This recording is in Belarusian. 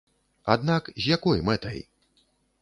Аднак з якой мэтай?